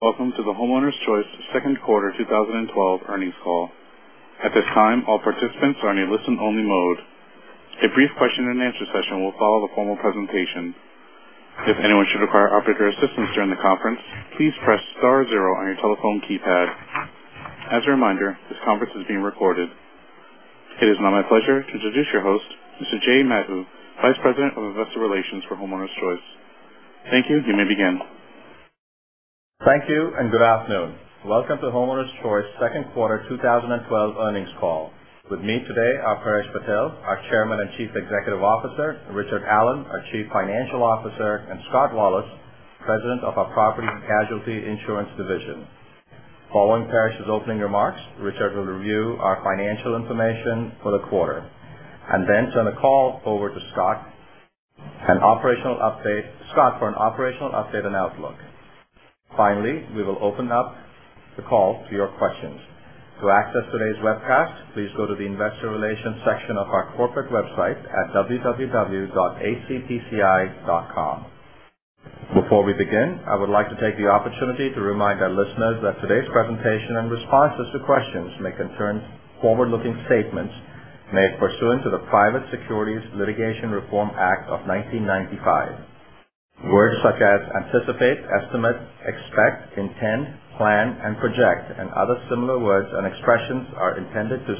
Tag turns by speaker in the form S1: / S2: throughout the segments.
S1: Welcome to the Homeowners Choice second quarter 2012 earnings call. At this time, all participants are in a listen-only mode. A brief question and answer session will follow the formal presentation. If anyone should require operator assistance during the conference, please press star zero on your telephone keypad. As a reminder, this conference is being recorded. It is now my pleasure to introduce your host, Mr. Jay Madhu, Vice President of Investor Relations for Homeowners Choice. Thank you. You may begin.
S2: Thank you. Good afternoon. Welcome to Homeowners Choice second quarter 2012 earnings call. With me today are Paresh Patel, our Chairman and Chief Executive Officer, Richard Allen, our Chief Financial Officer, and Scott Wallace, President of our Property and Casualty Insurance Division. Following Paresh's opening remarks, Richard will review our financial information for the quarter and then turn the call over to Scott for an operational update and outlook. Finally, we will open up the call to your questions. To access today's webcast, please go to the investor relations section of our corporate website at www.hcigroup.com. Before we begin, I would like to take the opportunity to remind our listeners that today's presentation and responses to questions may concern forward-looking statements made pursuant to the Private Securities Litigation Reform Act of 1995. Words such as anticipate, estimate, expect, intend, plan, and project, other similar words and expressions are intended to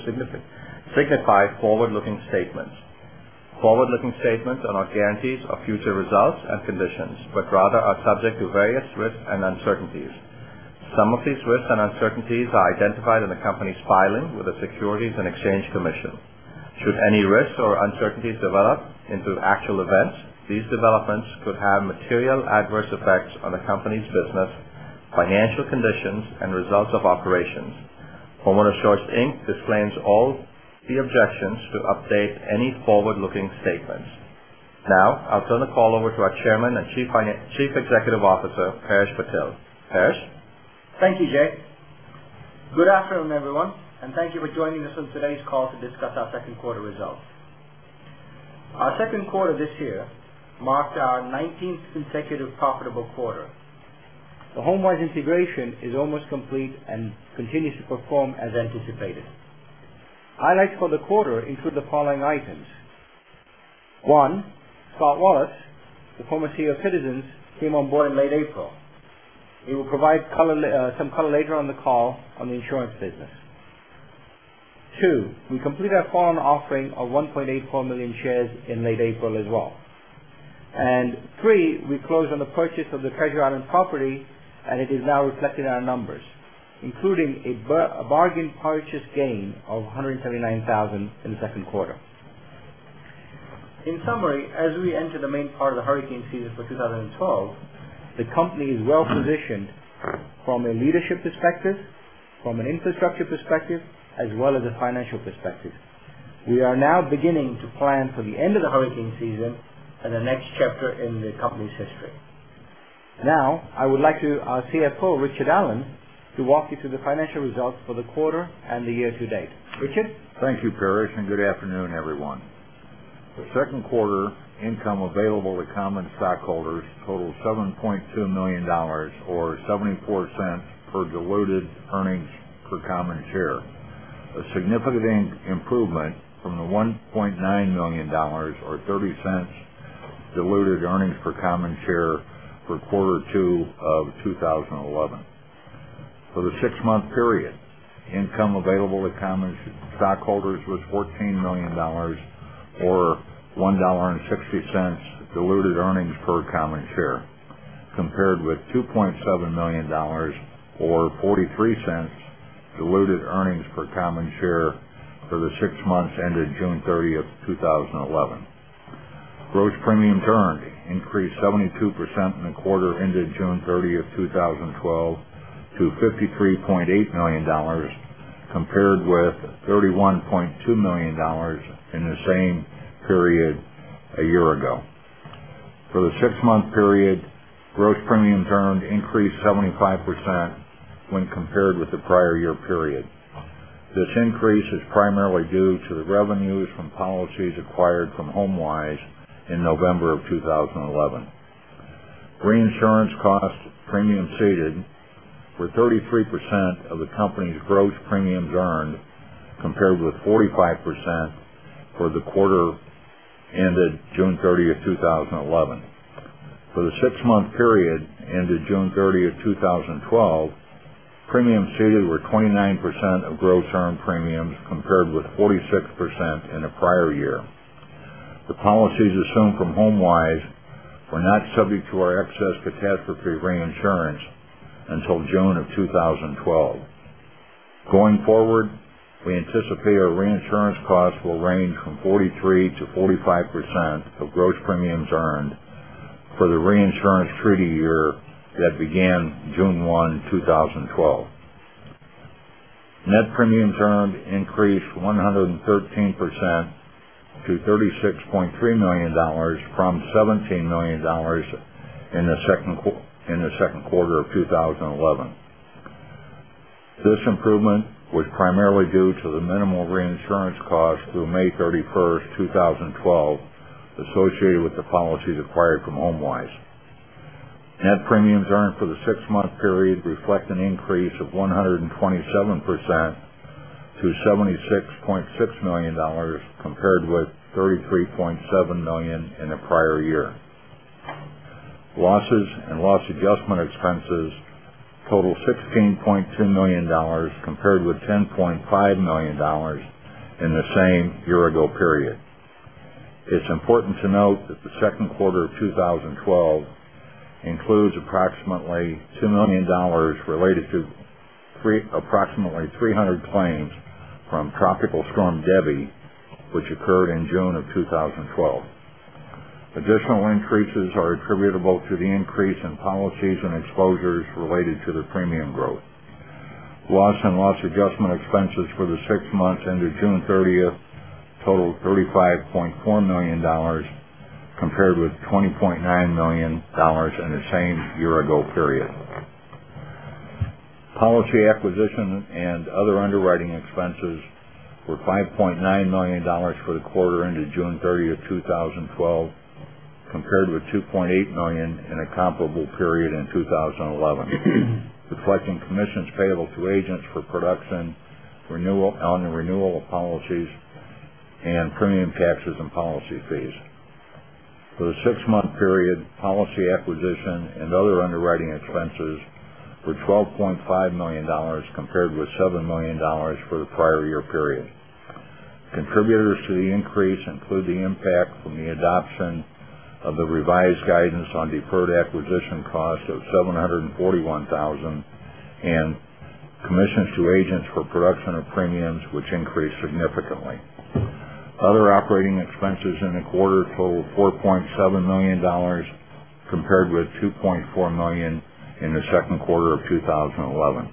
S2: signify forward-looking statements. Forward-looking statements are no guarantees of future results and conditions, but rather are subject to various risks and uncertainties. Some of these risks and uncertainties are identified in the company's filing with the Securities and Exchange Commission. Should any risks or uncertainties develop into actual events, these developments could have material adverse effects on the company's business, financial conditions, and results of operations. Homeowners Choice, Inc. disclaims all the obligations to update any forward-looking statements. Now, I'll turn the call over to our Chairman and Chief Executive Officer, Paresh Patel. Paresh?
S3: Thank you, Jay. Good afternoon, everyone. Thank you for joining us on today's call to discuss our second quarter results. Our second quarter this year marked our 19th consecutive profitable quarter. The HomeWise integration is almost complete and continues to perform as anticipated. Highlights for the quarter include the following items. One, Scott Wallace, the former CEO of Citizens, came on board in late April. He will provide some color later on the call on the insurance business. Two, we completed our follow-on offering of 1.84 million shares in late April as well. Three, we closed on the purchase of the Treasure Island property, and it is now reflected in our numbers, including a bargain purchase gain of $179,000 in the second quarter. In summary, as we enter the main part of the hurricane season for 2012, the company is well-positioned from a leadership perspective, from an infrastructure perspective, as well as a financial perspective. We are now beginning to plan for the end of the hurricane season and the next chapter in the company's history. I would like our CFO, Richard Allen, to walk you through the financial results for the quarter and the year to date. Richard?
S4: Thank you, Paresh, and good afternoon, everyone. The second quarter income available to common stockholders totaled $7.2 million or $0.74 per diluted earnings per common share, a significant improvement from the $1.9 million or $0.30 diluted earnings per common share for quarter two of 2011. For the six-month period, income available to common stockholders was $14 million or $1.60 diluted earnings per common share, compared with $2.7 million or $0.43 diluted earnings per common share for the six months ended June 30th, 2011. Gross premium earned increased 72% in the quarter ended June 30th, 2012 to $53.8 million, compared with $31.2 million in the same period a year ago. For the six-month period, gross premium earned increased 75% when compared with the prior year period. This increase is primarily due to the revenues from policies acquired from HomeWise in November of 2011. Reinsurance costs premium ceded were 33% of the company's gross premiums earned, compared with 45% for the quarter ended June 30th, 2011. For the six-month period ended June 30th, 2012, premiums ceded were 29% of gross earned premiums, compared with 46% in the prior year. The policies assumed from HomeWise were not subject to our excess catastrophe reinsurance until June of 2012. Going forward, we anticipate our reinsurance costs will range from 43%-45% of gross premiums earned for the reinsurance treaty year that began June 1, 2012. Net premiums earned increased 113% to $36.3 million from $17 million in the second quarter of 2011. This improvement was primarily due to the minimal reinsurance cost through May 31st, 2012, associated with the policies acquired from HomeWise. Net premiums earned for the six-month period reflect an increase of 127% to $76.6 million, compared with $33.7 million in the prior year. Losses and loss adjustment expenses total $16.2 million compared with $10.5 million in the same year-ago period. It's important to note that the second quarter of 2012 includes approximately $2 million related to approximately 300 claims from Tropical Storm Debby, which occurred in June of 2012. Additional increases are attributable to the increase in policies and exposures related to the premium growth. Loss and loss adjustment expenses for the six months ended June 30th totaled $35.4 million compared with $20.9 million in the same year-ago period. Policy acquisition and other underwriting expenses were $5.9 million for the quarter ended June 30th, 2012, compared with $2.8 million in a comparable period in 2011, reflecting commissions payable to agents for production on the renewal of policies and premium taxes and policy fees. For the six-month period, policy acquisition and other underwriting expenses were $12.5 million compared with $7 million for the prior year period. Contributors to the increase include the impact from the adoption of the revised guidance on deferred acquisition cost of $741,000 and commissions to agents for production of premiums, which increased significantly. Other operating expenses in the quarter totaled $4.7 million compared with $2.4 million in the second quarter of 2011.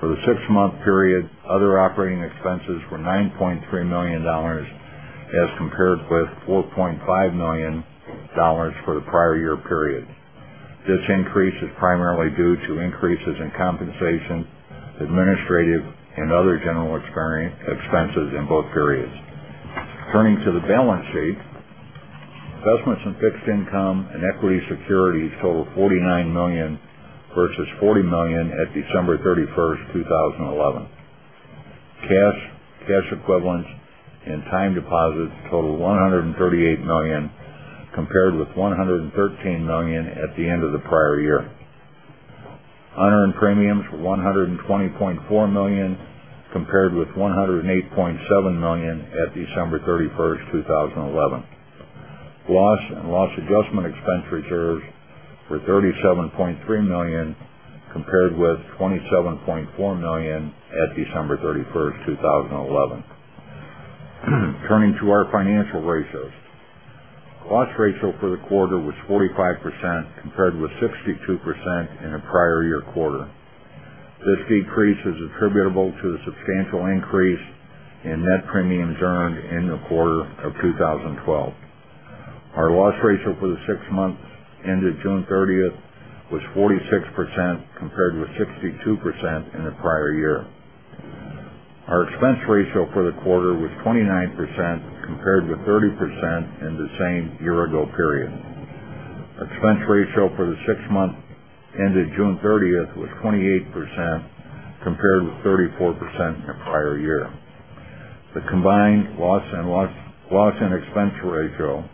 S4: For the six-month period, other operating expenses were $9.3 million as compared with $4.5 million for the prior year period. This increase is primarily due to increases in compensation, administrative, and other general expenses in both periods. Turning to the balance sheet, investments in fixed income and equity securities total $49 million versus $40 million at December 31st, 2011. Cash, cash equivalents, and time deposits total $138 million compared with $113 million at the end of the prior year. Unearned premiums were $120.4 million compared with $108.7 million at December 31st, 2011. Loss and loss adjustment expense reserves were $37.3 million compared with $27.4 million at December 31st, 2011. Turning to our financial ratios. Loss ratio for the quarter was 45% compared with 62% in the prior year quarter. This decrease is attributable to the substantial increase in net premiums earned in the quarter of 2012. Our loss ratio for the six months ended June 30th was 46% compared with 62% in the prior year. Our expense ratio for the quarter was 29% compared with 30% in the same year-ago period. Expense ratio for the six months ended June 30th was 28% compared with 34% in the prior year. The combined loss and expense ratio,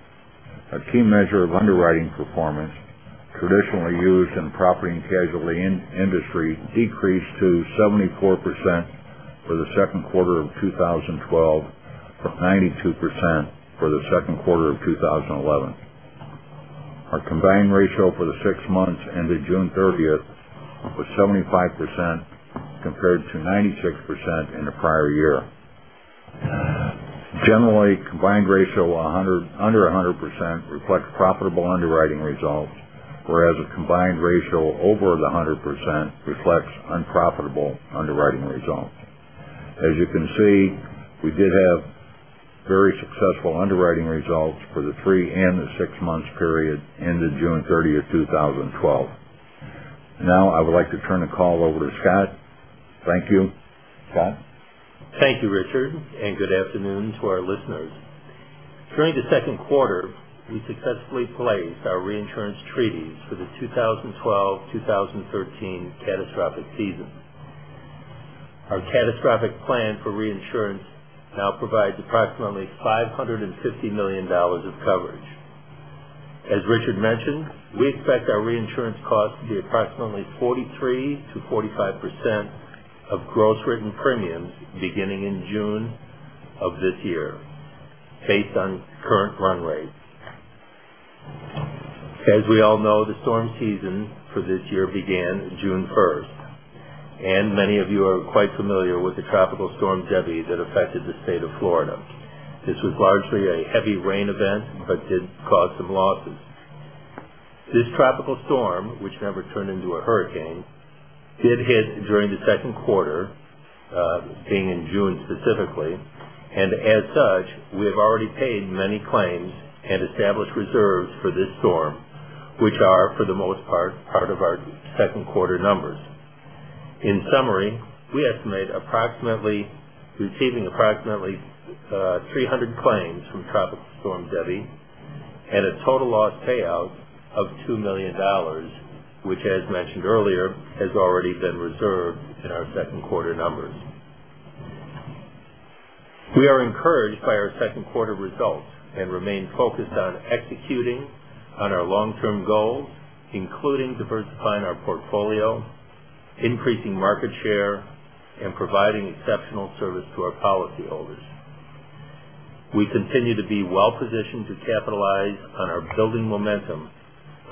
S4: a key measure of underwriting performance traditionally used in the property and casualty industry, decreased to 74% for the second quarter of 2012 from 92% for the second quarter of 2011. Our combined ratio for the six months ended June 30th was 75% compared to 96% in the prior year. Generally, combined ratio under 100% reflects profitable underwriting results, whereas a combined ratio over the 100% reflects unprofitable underwriting results. As you can see, we did have very successful underwriting results for the three and the six months period ended June 30th, 2012. I would like to turn the call over to Scott. Thank you. Scott?
S5: Thank you, Richard, and good afternoon to our listeners. During the second quarter, we successfully placed our reinsurance treaties for the 2012-2013 catastrophic season. Our catastrophic plan for reinsurance now provides approximately $550 million of coverage. As Richard mentioned, we expect our reinsurance cost to be approximately 43%-45% of gross written premiums beginning in June of this year based on current run rates. As we all know, the storm season for this year began June 1st, and many of you are quite familiar with the Tropical Storm Debby that affected the state of Florida. This was largely a heavy rain event but did cause some losses. This tropical storm, which never turned into a hurricane, did hit during the second quarter, being in June specifically. As such, we have already paid many claims and established reserves for this storm Which are, for the most part of our second quarter numbers. In summary, we estimate receiving approximately 300 claims from Tropical Storm Debby and a total loss payout of $2 million, which as mentioned earlier, has already been reserved in our second quarter numbers. We are encouraged by our second quarter results and remain focused on executing on our long-term goals, including diversifying our portfolio, increasing market share, and providing exceptional service to our policyholders. We continue to be well-positioned to capitalize on our building momentum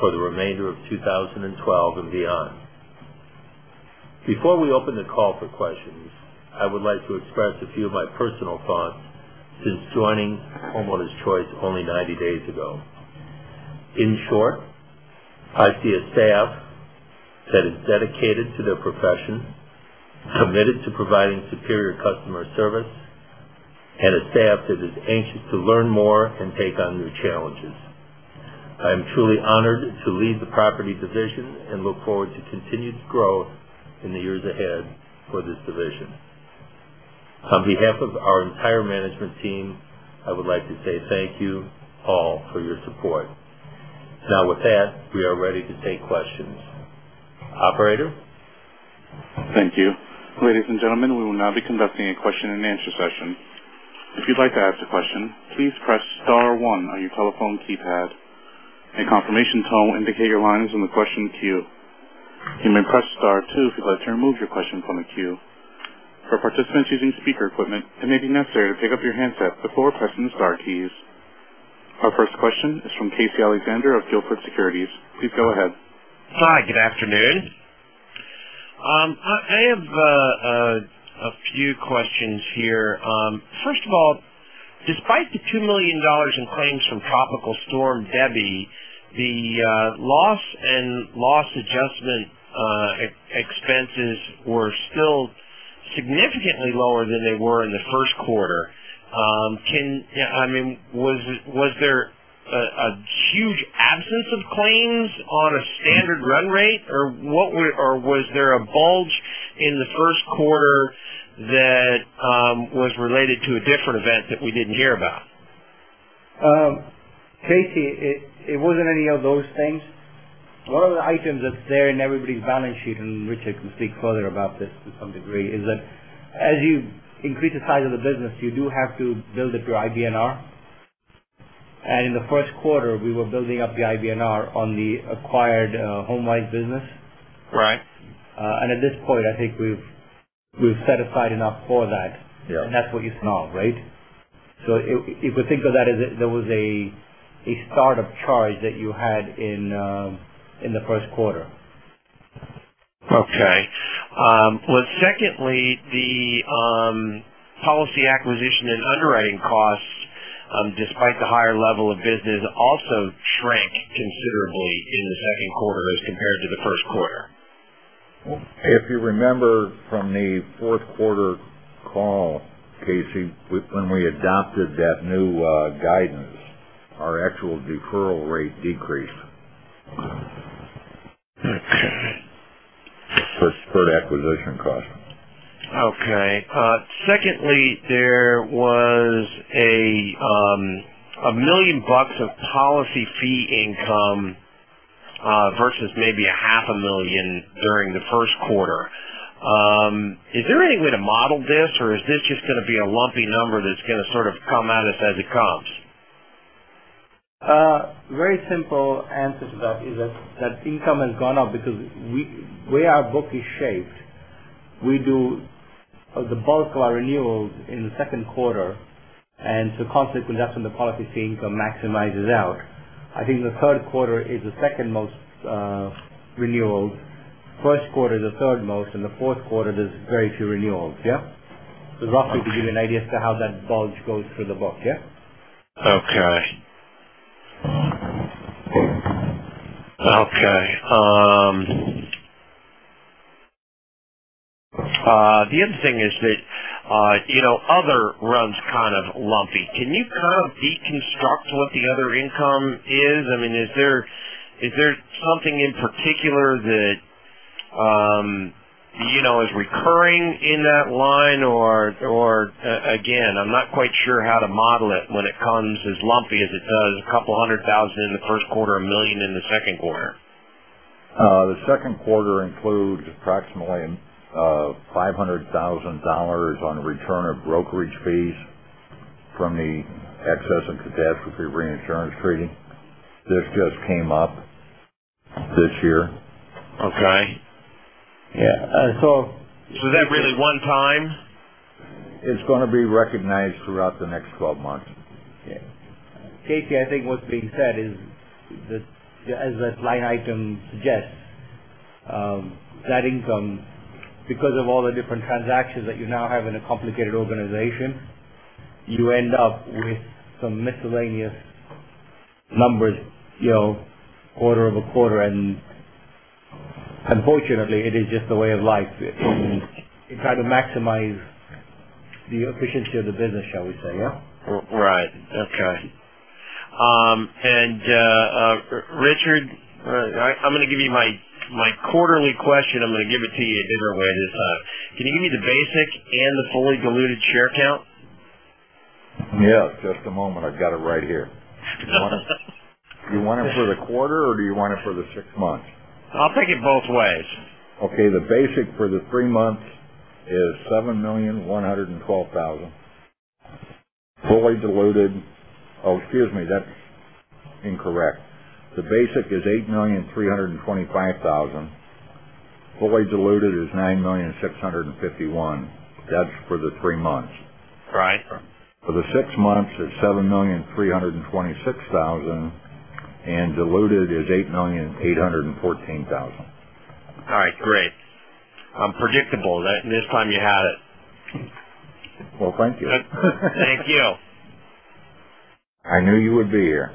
S5: for the remainder of 2012 and beyond. Before we open the call for questions, I would like to express a few of my personal thoughts since joining Homeowners Choice only 90 days ago. In short, I see a staff that is dedicated to their profession, committed to providing superior customer service, and a staff that is anxious to learn more and take on new challenges. I am truly honored to lead the property division and look forward to continued growth in the years ahead for this division. On behalf of our entire management team, I would like to say thank you all for your support. With that, we are ready to take questions. Operator?
S1: Thank you. Ladies and gentlemen, we will now be conducting a question-and-answer session. If you'd like to ask a question, please press star one on your telephone keypad. A confirmation tone will indicate your line is in the question queue. You may press star two if you'd like to remove your question from the queue. For participants using speaker equipment, it may be necessary to pick up your handset before pressing the star keys. Our first question is from Casey Alexander of Gilford Securities. Please go ahead.
S6: Hi, good afternoon. I have a few questions here. First of all, despite the $2 million in claims from Tropical Storm Debby, the loss and loss adjustment expenses were still significantly lower than they were in the first quarter. Was there a huge absence of claims on a standard run rate? Or was there a bulge in the first quarter that was related to a different event that we didn't hear about?
S3: Casey, it wasn't any of those things. One of the items that's there in everybody's balance sheet, and Richard can speak further about this to some degree, is that as you increase the size of the business, you do have to build up your IBNR. In the first quarter, we were building up the IBNR on the acquired HomeWise business.
S6: Right.
S3: At this point, I think we've set aside enough for that.
S6: Yeah.
S3: That's what you saw, right? If we think of that as it there was a startup charge that you had in the first quarter.
S6: Okay. Well, secondly, the policy acquisition and underwriting costs, despite the higher level of business, also shrank considerably in the second quarter as compared to the first quarter.
S4: If you remember from the fourth quarter call, Casey, when we adopted that new guidance, our actual deferral rate decreased.
S6: Okay.
S4: For acquisition costs.
S6: Okay. Secondly, there was $1 million of policy fee income versus maybe a half a million during the first quarter. Is there any way to model this, or is this just going to be a lumpy number that's going to sort of come at us as it comes?
S3: A very simple answer to that is that income has gone up because the way our book is shaped, we do the bulk of our renewals in the second quarter. Consequently, that's when the policy fee income maximizes out. I think the third quarter is the second most renewals. First quarter is the third most, and the fourth quarter, there's very few renewals. Yeah? Roughly to give you an idea as to how that bulge goes through the book, yeah?
S6: Okay. The other thing is that other runs kind of lumpy. Can you kind of deconstruct what the other income is? Is there something in particular that is recurring in that line? Again, I'm not quite sure how to model it when it comes as lumpy as it does, a couple of $100,000 in the first quarter, a $1 million in the second quarter.
S4: The second quarter includes approximately $500,000 on return of brokerage fees from the excess of catastrophe reinsurance treaty. This just came up this year.
S6: Okay.
S3: Yeah.
S6: Is that really one time?
S4: It's going to be recognized throughout the next 12 months.
S3: Yeah. Casey, I think what's being said is that as that line item suggests, that income, because of all the different transactions that you now have in a complicated organization, you end up with some miscellaneous numbers quarter-over-quarter. Unfortunately, it is just the way of life. We try to maximize the efficiency of the business, shall we say, yeah?
S6: Right. Okay. Richard, I'm going to give you my quarterly question. I'm going to give it to you a different way this time. Can you give me the basic and the fully diluted share count?
S4: Yeah. Just a moment. I've got it right here. Do you want it for the quarter, or do you want it for the six months?
S6: I'll take it both ways.
S4: Okay. The basic for the three months is $7,112,000. Oh, excuse me. That's incorrect. The basic is $8,325,000. Fully diluted is $9,651. That's for the three months.
S6: Right.
S4: For the six months, it's $7,326,000. Diluted is $8,814,000.
S6: All right, great. Predictable. This time you had it.
S4: Well, thank you.
S6: Thank you.
S4: I knew you would be here.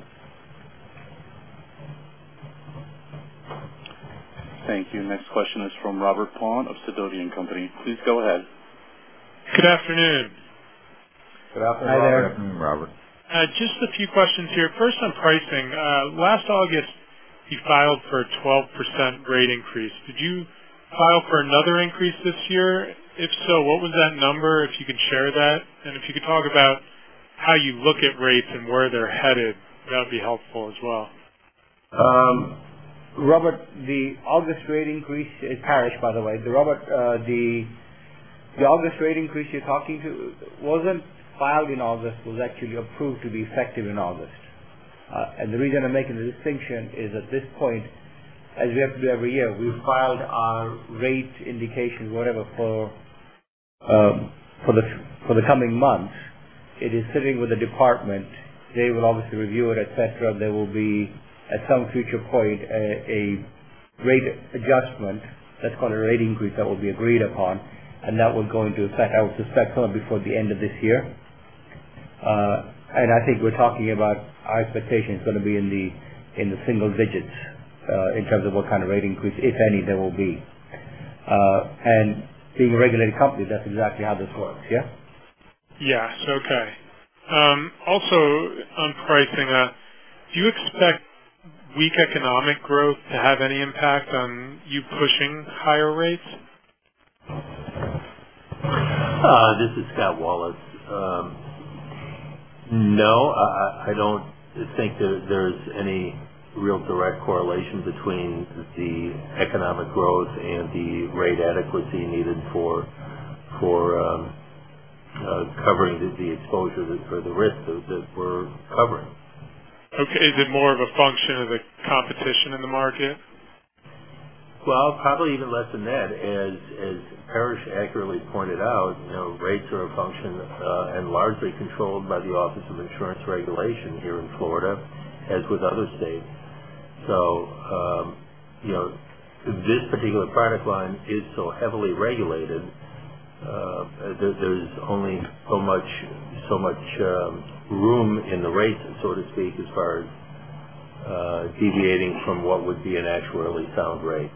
S1: Thank you. Next question is from Robert Paun of Sidoti & Company. Please go ahead.
S7: Good afternoon.
S5: Good afternoon, Robert.
S4: Hi there. Good afternoon, Robert.
S7: Just a few questions here. First on pricing. Last August, you filed for a 12% rate increase. Did you file for another increase this year? If so, what was that number, if you can share that? If you could talk about how you look at rates and where they're headed, that would be helpful as well.
S3: Robert, the August rate increase, it's Paresh, by the way. Robert, the August rate increase you're talking to wasn't filed in August. It was actually approved to be effective in August. The reason I'm making the distinction is at this point, as we have to do every year, we've filed our rate indication, whatever, for the coming months. It is sitting with the department. They will obviously review it, et cetera. There will be, at some future point, a rate adjustment. That's called a rate increase that will be agreed upon, and that will go into effect, I would suspect, before the end of this year. I think we're talking about our expectation it's going to be in the single digits, in terms of what kind of rate increase, if any, there will be. Being a regulated company, that's exactly how this works, yeah?
S7: Yes. Okay. On pricing, do you expect weak economic growth to have any impact on you pushing higher rates?
S4: This is Scott Wallace. I don't think there's any real direct correlation between the economic growth and the rate adequacy needed for covering the exposure for the risks that we're covering.
S7: Okay. Is it more of a function of the competition in the market?
S4: Well, probably even less than that. As Paresh accurately pointed out, rates are a function, and largely controlled by the Florida Office of Insurance Regulation here in Florida, as with other states. This particular product line is so heavily regulated, there's only so much room in the rates, so to speak, as far as deviating from what would be an actuarially sound rate.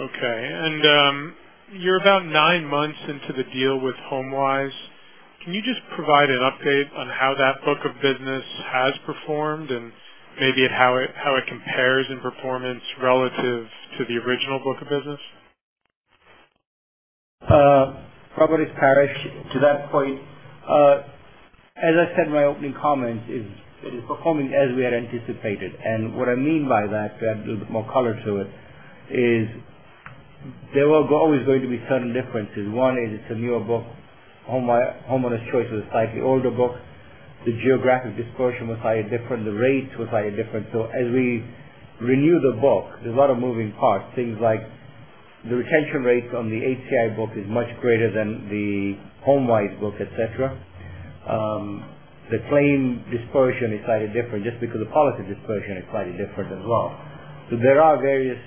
S7: Okay. You're about nine months into the deal with HomeWise. Can you just provide an update on how that book of business has performed, and maybe how it compares in performance relative to the original book of business?
S3: Robert, it's Paresh. To that point, as I said in my opening comments, it is performing as we had anticipated. What I mean by that, to add a little bit more color to it, is there are always going to be certain differences. One is it's a newer book. Homeowners Choice was a slightly older book. The geographic dispersion was highly different. The rates were highly different. As we renew the book, there's a lot of moving parts. Things like the retention rate from the HCI book is much greater than the HomeWise book, et cetera. The claim dispersion is slightly different just because the policy dispersion is slightly different as well. There are various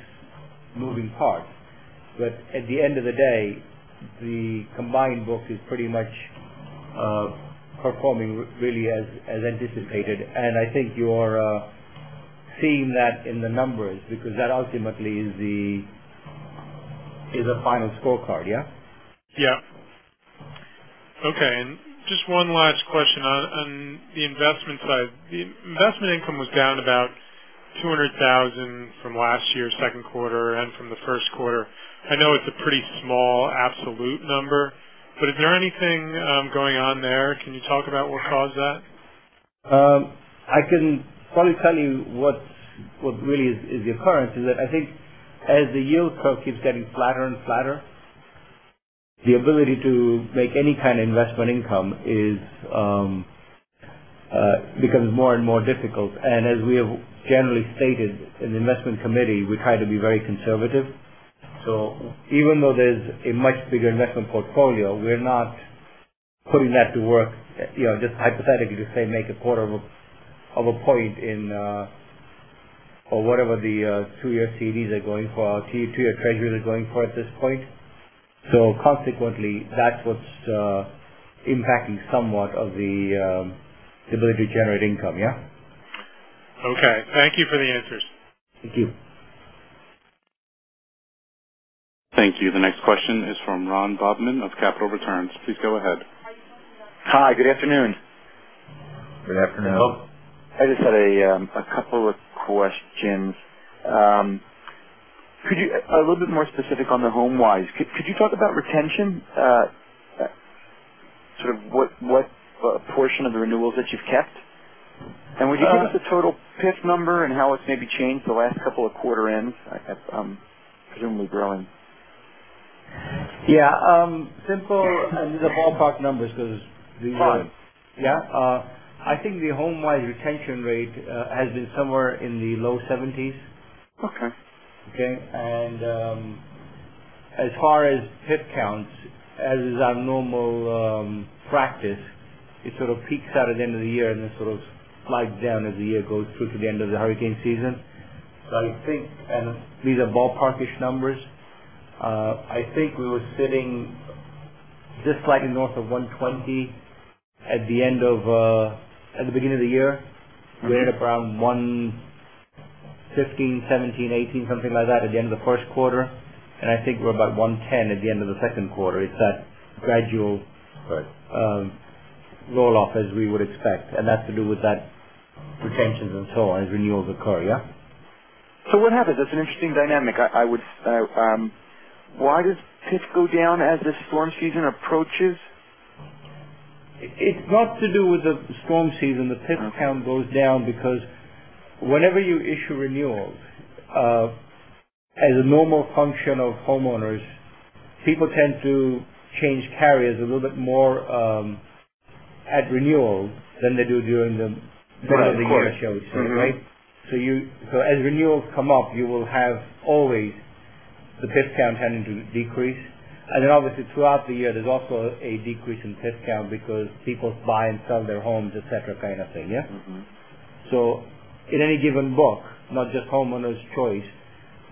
S3: moving parts. At the end of the day, the combined book is pretty much performing really as anticipated, and I think you're seeing that in the numbers, because that ultimately is a final scorecard, yeah?
S7: Yeah. Okay. Just one last question on the investment side. The investment income was down about $200,000 from last year's second quarter and from the first quarter. I know it's a pretty small absolute number, but is there anything going on there? Can you talk about what caused that?
S3: I can probably tell you what really is the occurrence is that I think as the yield curve keeps getting flatter and flatter, the ability to make any kind of investment income becomes more and more difficult. As we have generally stated in the investment committee, we try to be very conservative. Even though there's a much bigger investment portfolio, we're not putting that to work, just hypothetically to, say, make a quarter of a point in or whatever the two-year CDs are going for, two-year treasuries are going for at this point. Consequently, that's what's impacting somewhat of the ability to generate income, yeah?
S7: Okay. Thank you for the answers.
S3: Thank you.
S1: Thank you. The next question is from Ron Bobman of Capital Returns. Please go ahead.
S8: How you doing, guys? Hi, good afternoon.
S3: Good afternoon.
S8: I just had a couple of questions. A little bit more specific on the HomeWise. Could you talk about retention, sort of what portion of the renewals that you've kept? Would you give us the total PIF number and how it's maybe changed the last couple of quarter ends? Presumably growing.
S3: Yeah. Simple, these are ballpark numbers.
S8: Right.
S3: Yeah. I think the HomeWise retention rate has been somewhere in the low seventies.
S8: Okay.
S3: Okay. As far as PIF counts, as is our normal practice, it sort of peaks out at the end of the year and then sort of slides down as the year goes through to the end of the hurricane season. I think, and these are ballpark-ish numbers, I think we were sitting just slightly north of 120 at the beginning of the year.
S8: Okay.
S3: We were at around 115, 17, 18, something like that, at the end of the first quarter. I think we're about 110 at the end of the second quarter. It's that gradual roll-off as we would expect, and that's to do with that retention and so on as renewals occur, yeah.
S8: What happens? That's an interesting dynamic. Why does PIF go down as the storm season approaches?
S3: It's not to do with the storm season.
S8: Okay.
S3: The PIF count goes down because whenever you issue renewals, as a normal function of homeowners, people tend to change carriers a little bit more at renewal than they do.
S8: Right. Of course.
S3: Middle of the year, shall we say. Right. As renewals come up, you will have always the PIF count tending to decrease. Then obviously throughout the year, there's also a decrease in PIF count because people buy and sell their homes, et cetera kind of thing, yeah. In any given book, not just Homeowners Choice,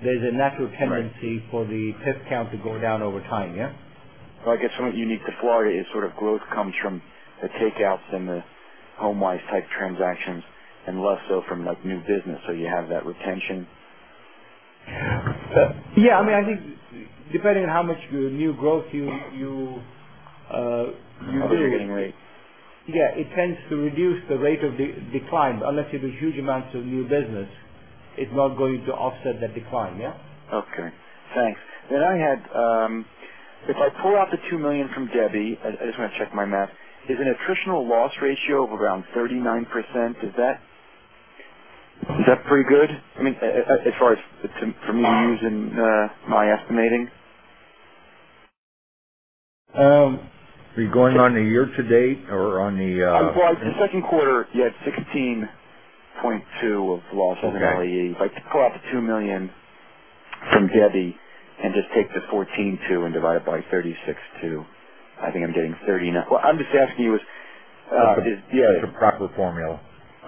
S3: there's a natural tendency.
S8: Right
S3: For the PIF count to go down over time, yeah.
S8: I guess something unique to Florida is sort of growth comes from the takeouts and the HomeWise type transactions, and less so from new business. you have that retention.
S3: Yeah. I think depending on how much new growth you do.
S8: How much you're getting rate.
S3: Yeah. It tends to reduce the rate of decline. Unless you have huge amounts of new business, it's not going to offset that decline, yeah?
S8: Okay. Thanks. If I pull out the $2 million from Debby, I just want to check my math. Is an attritional loss ratio of around 39%, is that pretty good? I mean, as far as for me to use in my estimating.
S3: Are you going on a year to date?
S8: Well, the second quarter, you had $16.2 of losses in LAE.
S3: Okay.
S8: If I pull out the $2 million from Debby and just take the $14.2 and divide it by $36.2, I think I'm getting 39%. Well, I'm just asking you.
S3: It's a proper formula.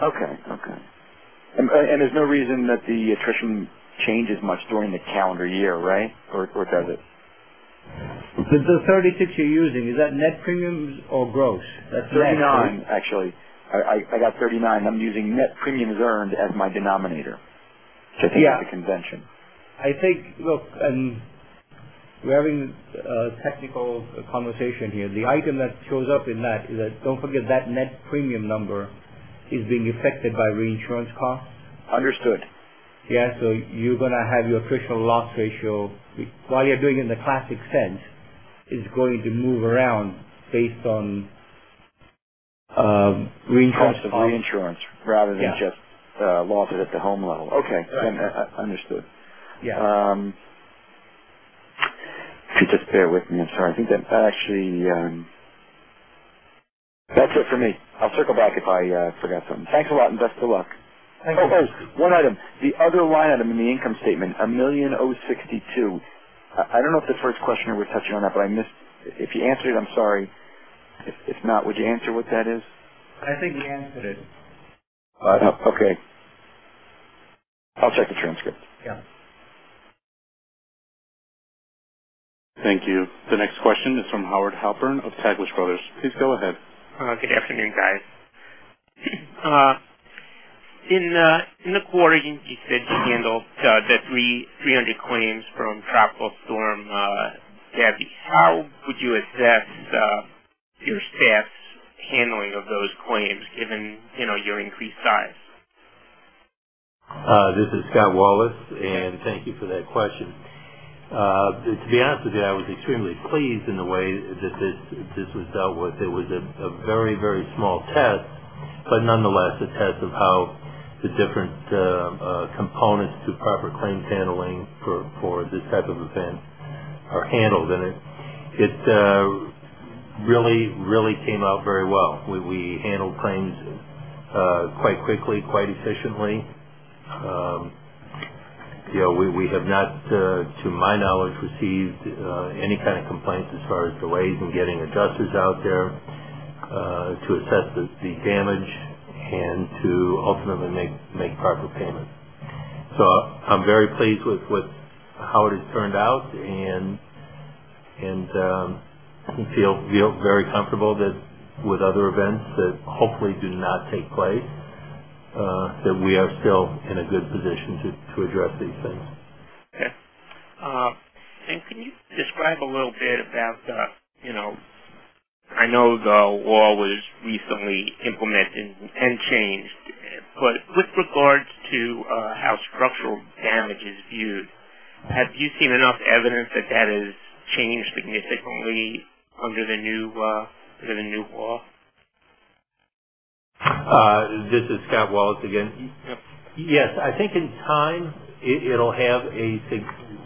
S8: Okay. Okay. There's no reason that the attrition changes much during the calendar year, right? Or does it?
S3: The 36 you're using, is that net premiums or gross? 39.
S8: Net premium, actually. I got 39. I'm using net premiums earned as my denominator.
S3: Yeah.
S8: Just to keep the convention.
S3: I think. Look, we're having a technical conversation here. The item that shows up in that is that don't forget that net premium number is being affected by reinsurance costs.
S8: Understood.
S3: Yeah. You're going to have your attritional loss ratio, while you're doing it in the classic sense, is going to move around based on reinsurance costs.
S8: Reinsurance rather than just-
S3: Yeah
S8: losses at the home level. Okay. Understood.
S3: Yeah.
S8: If you just bear with me. I'm sorry. I think that actually That's it for me. I'll circle back if I forgot something. Thanks a lot, and best of luck.
S3: Thank you.
S8: One item. The other line item in the income statement, $1,000,062. I don't know if the first questioner was touching on that, but I missed. If you answered it, I'm sorry. If not, would you answer what that is?
S3: I think he answered it.
S8: Okay. I'll check the transcript.
S3: Yeah.
S1: Thank you. The next question is from Howard Halpern of Taglich Brothers. Please go ahead.
S9: Good afternoon, guys. In the quarter, you said you handled the 300 claims from Tropical Storm Debby. How would you assess your staff's handling of those claims, given your increased size?
S5: This is Scott Wallace. Thank you for that question. To be honest with you, I was extremely pleased in the way that this was dealt with. It was a very small test, but nonetheless, a test of how the different components to proper claims handling for this type of event are handled. It really came out very well. We handled claims quite quickly, quite efficiently. We have not, to my knowledge, received any kind of complaints as far as delays in getting adjusters out there to assess the damage and to ultimately make proper payment. I'm very pleased with how it has turned out, and I feel very comfortable that with other events that hopefully do not take place, that we are still in a good position to address these things.
S9: Okay. Can you describe a little bit about I know the law was recently implemented and changed, but with regards to how structural damage is viewed, have you seen enough evidence that that has changed significantly under the new law?
S5: This is Scott Wallace again.
S9: Yep.
S5: Yes. I think in time, it'll have a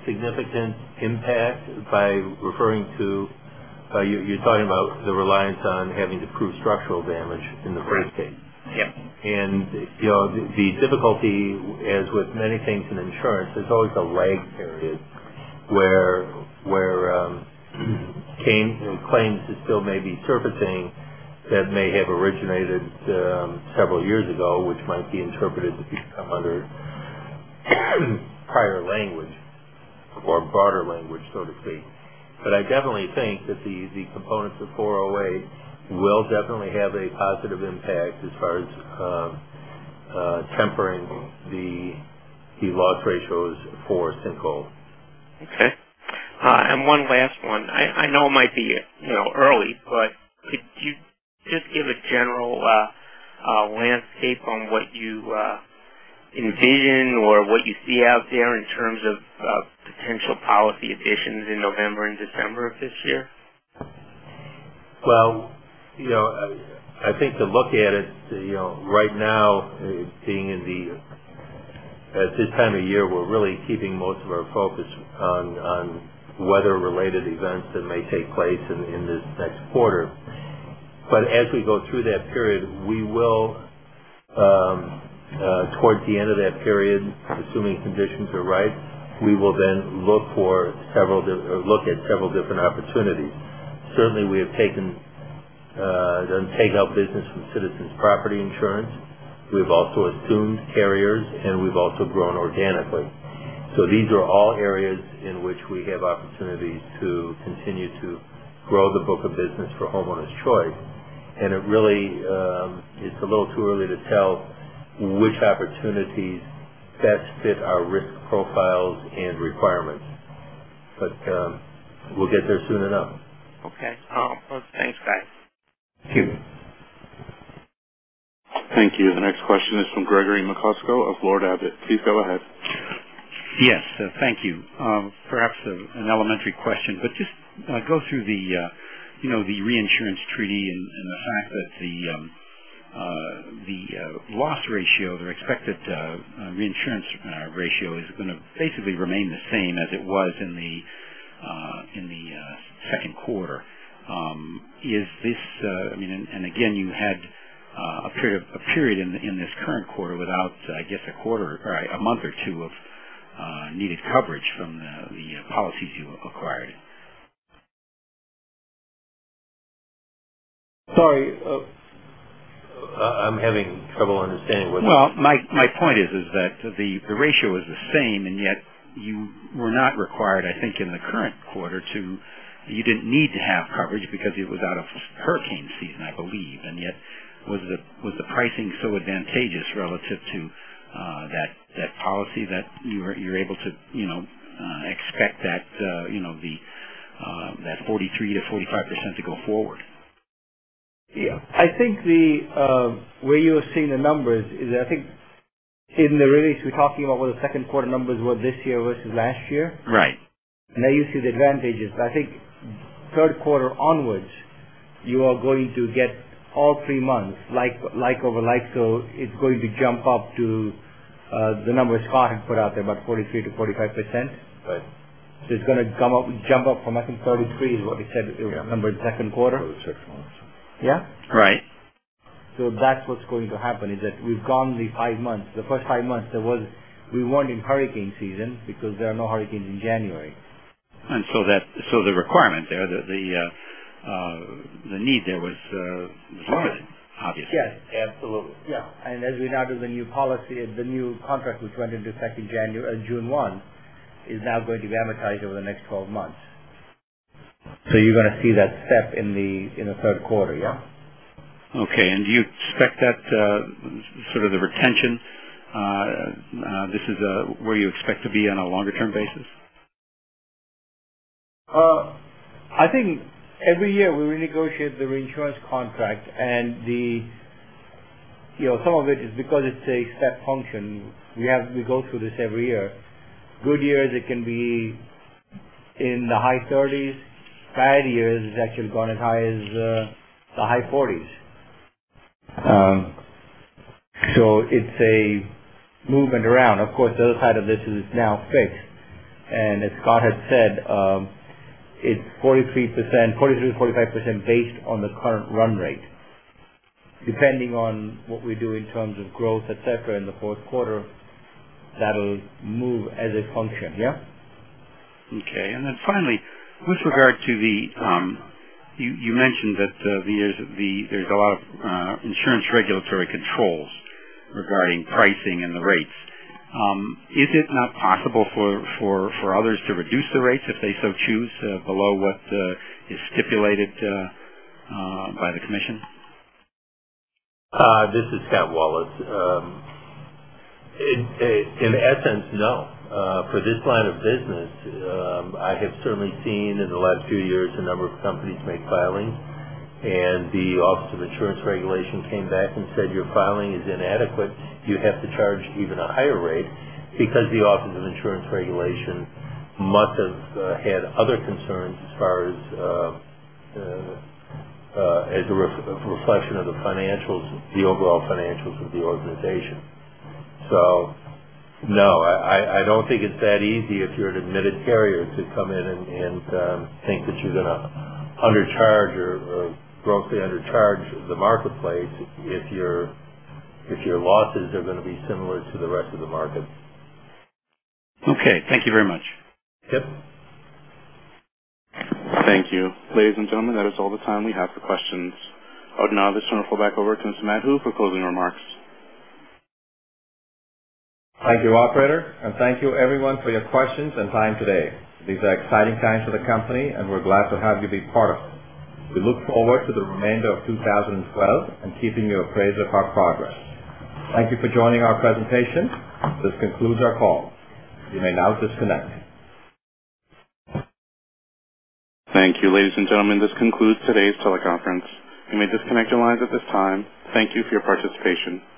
S5: significant impact by referring to, you're talking about the reliance on having to prove structural damage in the first case.
S9: Correct. Yeah.
S5: The difficulty, as with many things in insurance, there's always a lag period where claims that still may be interpreting that may have originated several years ago, which might be interpreted to become under prior language or broader language, so to speak. I definitely think that the components of 408 will definitely have a positive impact as far as tempering the loss ratios for sinkhole.
S9: Okay. One last one. I know it might be early, could you just give a general landscape on what you envision or what you see out there in terms of potential policy additions in November and December of this year?
S5: Well, I think to look at it, right now, being at this time of year, we're really keeping most of our focus on weather-related events that may take place in this next quarter. As we go through that period, towards the end of that period, assuming conditions are right, we will then look at several different opportunities. Certainly, we have taken out business from Citizens Property Insurance. We've also assumed carriers, and we've also grown organically. These are all areas in which we have opportunities to continue to grow the book of business for Homeowners Choice. It really is a little too early to tell which opportunities best fit our risk profiles and requirements. We'll get there soon enough.
S9: Okay. Thanks, Scott.
S5: Thank you.
S1: Thank you. The next question is from Gregory McCusker of Lord Abbett. Please go ahead.
S10: Yes. Thank you. Perhaps an elementary question, but just go through the reinsurance treaty and the fact that the loss ratio, the expected reinsurance ratio is going to basically remain the same as it was in the second quarter. Again, you had a period in this current quarter without, I guess a month or two of needed coverage from the policies you acquired.
S5: Sorry. I'm having trouble understanding what.
S10: Well, my point is that the ratio is the same, yet you were not required, I think, in the current quarter to. You didn't need to have coverage because it was out of hurricane season, I believe. Yet, was the pricing so advantageous relative to that policy that you're able to expect that 43%-45% to go forward?
S3: Yeah. I think the way you are seeing the numbers is, I think in the release, we're talking about what the second quarter numbers were this year versus last year.
S10: Right.
S3: Now you see the advantages. I think third quarter onwards, you are going to get all three months like over like, so it's going to jump up to the number Scott had put out there, about 43%-45%.
S10: Right.
S3: It's going to jump up from, I think, 33 is what he said the number in the second quarter.
S10: For the six months.
S3: Yeah.
S10: Right.
S3: That's what's going to happen, is that we've gone the five months. The first five months, we weren't in hurricane season because there are no hurricanes in January.
S10: The requirement there, the need there was limited, obviously.
S3: Yes, absolutely. As we now do the new policy, the new contract, which went into effect in June 1, is now going to amortize over the next 12 months. You're going to see that step in the third quarter.
S10: Okay. Do you expect that sort of the retention, this is where you expect to be on a longer term basis?
S3: I think every year we renegotiate the reinsurance contract, and some of it is because it's a set function. We go through this every year. Good years, it can be in the high 30s. Bad years, it's actually gone as high as the high 40s. It's a movement around. Of course, the other side of this is it's now fixed. As Scott has said, it's 43%-45% based on the current run rate. Depending on what we do in terms of growth, et cetera, in the fourth quarter, that'll move as a function.
S10: Okay. Then finally, with regard to the-- you mentioned that there's a lot of insurance regulatory controls regarding pricing and the rates. Is it not possible for others to reduce the rates if they so choose below what is stipulated by the commission?
S5: This is Scott Wallace. In essence, no. For this line of business, I have certainly seen in the last few years, a number of companies make filings, and the Office of Insurance Regulation came back and said, "Your filing is inadequate. You have to charge even a higher rate," because the Office of Insurance Regulation must have had other concerns as far as a reflection of the overall financials of the organization. No, I don't think it's that easy if you're an admitted carrier to come in and think that you're going to undercharge or grossly undercharge the marketplace if your losses are going to be similar to the rest of the market.
S10: Okay. Thank you very much.
S5: Yep.
S1: Thank you. Ladies and gentlemen, that is all the time we have for questions. I would now just want to flip back over to Mr. Madhu for closing remarks.
S2: Thank you, operator, and thank you everyone for your questions and time today. These are exciting times for the company, and we're glad to have you be part of it. We look forward to the remainder of 2012 and keeping you appraised of our progress. Thank you for joining our presentation. This concludes our call. You may now disconnect.
S1: Thank you, ladies and gentlemen. This concludes today's teleconference. You may disconnect your lines at this time. Thank you for your participation.